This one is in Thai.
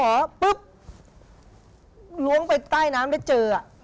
มันร่วมไปใต้น้ำและเจอ